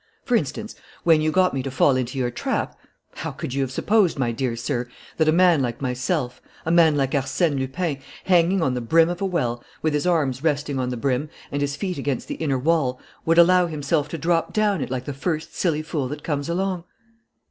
For instance, when you got me to fall into your trap, how could you have supposed, my dear sir, that a man like myself, a man like Arsène Lupin, hanging on the brim of a well, with his arms resting on the brim and his feet against the inner wall, would allow himself to drop down it like the first silly fool that comes along?